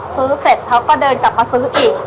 เสร็จเขาก็เดินกลับมาซื้ออีก